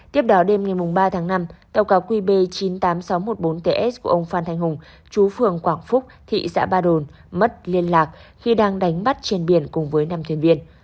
tiếp đó đêm ngày ba tháng năm tàu cá qb chín mươi tám nghìn sáu trăm một mươi bốn ts của ông phan thanh hùng chú phường quảng phúc thị xã ba đồn mất liên lạc khi đang đánh bắt trên biển cùng với năm thuyền viên